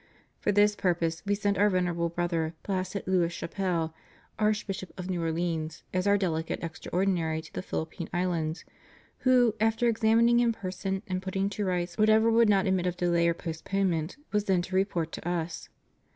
For this purpose We sent Our Venerable Brother Placide Louis Chapelle, Archbishop of New Orleans, as Our Delegate Extraordinary to the Philippine Islands, who, after examining in person and putting to rights whatever would not admit of delay or postponement, was then to report to Us.